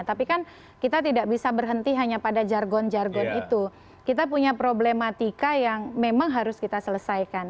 tapi kan kita tidak bisa berhenti hanya pada jargon jargon itu kita punya problematika yang memang harus kita selesaikan